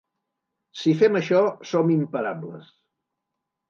Si fem això som imparables.